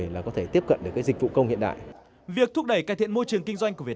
làm thủ tục tại cục hải quan tp hà nội